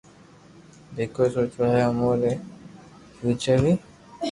بي ڪوئي سوچوو ھي اووہ ري فيوچر ري